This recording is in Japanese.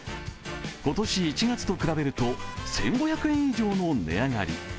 今年１月と比べると１５００円以上の値上がり。